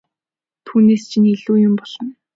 Түүнээс чинь ч илүү юм болно!